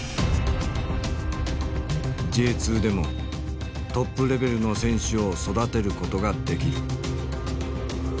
Ｊ２でもトップレベルの選手を育てることができる。